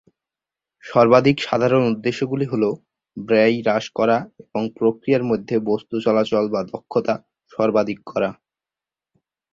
সর্বাধিক সাধারণ উদ্দেশ্যগুলি হল ব্যয় হ্রাস করা এবং প্রক্রিয়ার মধ্যে বস্তু চলাচল বা দক্ষতা সর্বাধিক করা।